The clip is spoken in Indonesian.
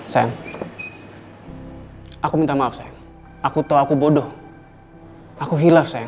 sayang aku minta maaf aku tahu aku bodoh aku hilang sayang